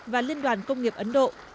và liên đoàn công nghiệp ấn độ